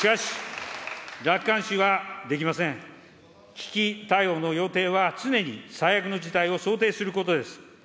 危機対応の要諦は、常に最悪の事態を想定することです。